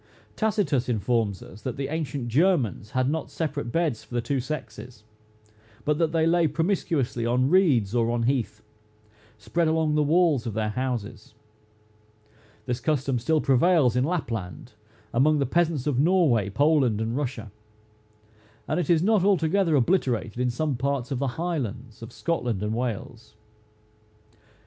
Tacitus informs us that the ancient Germans had not separate beds for the two sexes, but that they lay promiscuously on reeds or on heath, spread along the walls of their houses. This custom still prevails in Lapland, among the peasants of Norway, Poland, and Russia; and it is not altogether obliterated in some parts of the highlands of Scotland and Wales.